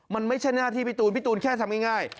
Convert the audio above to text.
มันไม่ใช่หน้าที่พี่ตูนพี่ตูนแค่ทำง่าย